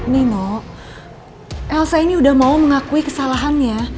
nino elsa ini udah mau mengakui kesalahannya